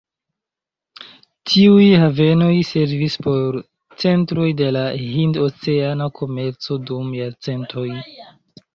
Tiuj havenoj servis por centroj de la hind-oceana komerco dum jarcentoj.